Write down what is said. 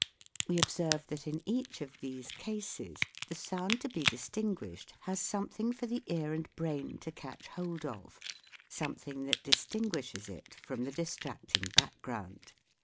We observe that in each of these cases the sound to be distinguished has something for the ear and brain to catch hold of, something that distinguishes it from the distracting background.